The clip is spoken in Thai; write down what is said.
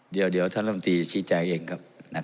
เดี๋ยวท่านรัมษ์ตีชี้ใจเองครับนะครับ